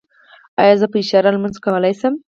ایا زه په اشاره لمونځ کولی شم؟